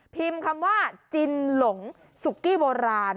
พิมพ์คำว่าจิ้นหลงซุกี้โบราณ